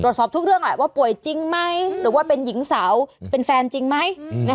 ทุกเรื่องแหละว่าป่วยจริงไหมหรือว่าเป็นหญิงสาวเป็นแฟนจริงไหม